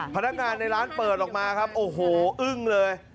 พนักงานในร้านเปิดออกมาครับโอ้โหอึ้งเลย